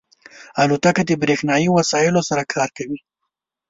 الوتکه د بریښنایی وسایلو سره کار کوي.